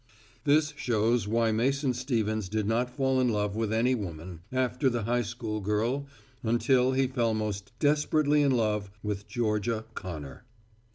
This shows why Mason Stevens did not fall in love with any woman, after the high school girl, until he fell most desperately in love with Georgia Connor.